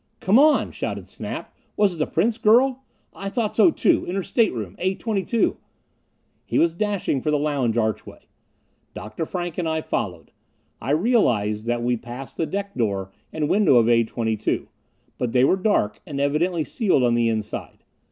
"Come on!" shouted Snap. "Was it the Prince girl? I thought so too! In her stateroom, A 22!" He was dashing for the lounge archway. Dr. Frank and I followed. I realized that we passed the deck door and window of A 22. But they were dark, and evidently sealed on the inside.